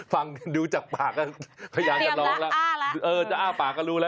พยายามจะร้องแล้วจะอ้าปาก็รู้แล้ว